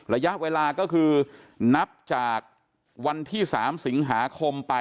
ระยะเวลาก็คือนับจากวันที่๓สิงหาคมไป